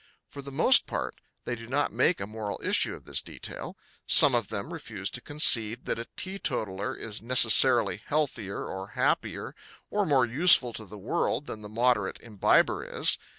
For the most part they do not make a moral issue of this detail. Some of them refuse to concede that a teetotaler is necessarily healthier or happier or more useful to the world than the moderate imbiber is.